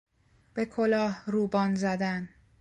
به کلاه روبان زدن